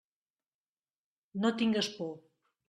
No tingues por.